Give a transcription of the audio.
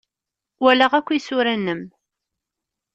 Walaɣ akk isura-nnem.